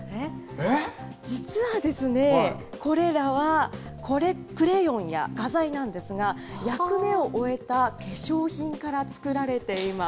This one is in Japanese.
実はですね、これらは、これ、クレヨンや画材なんですが、役目を終えた化粧品から作られています。